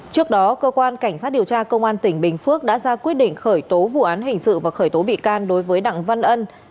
trước đó cơ quan cảnh sát điều tra công an tỉnh bình phước đã ra quyết định khởi tố vụ án hình sự và khởi tố bị can đối với đặng văn ân